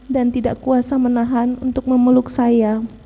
dan tidak kuasa menahan untuk memeluk saya